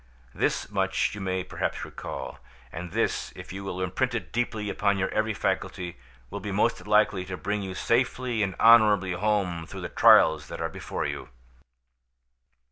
This much you may perhaps recall; and this, if you will imprint it deeply upon your every faculty, will be most likely to bring you safely and honourably home through the trials that are before you."